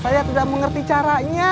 saya tidak mengerti caranya